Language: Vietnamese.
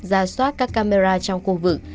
ra soát các camera trong khu vực